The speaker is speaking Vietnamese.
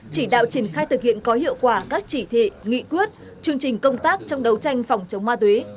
chỉ đạo triển khai thực hiện có hiệu quả các chỉ thị nghị quyết chương trình công tác trong đấu tranh phòng chống ma túy